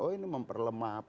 oh ini memperlemah